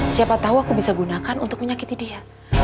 siapa tahu aku bisa gunakan untuk menyakiti dia